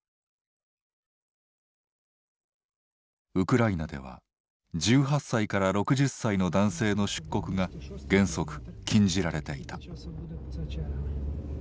ウクライナでは１８歳から６０歳の男性の出国が原則禁じられていた。